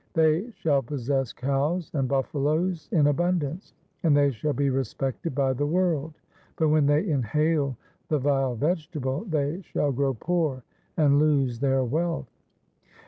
They shall possess cows and buffaloes in abundance, and they shall be respected by the world, but when they inhale the vile vegetable, they shall grow poor and lose their wealth.'